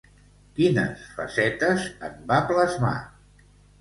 Quines facetes en va plasmar?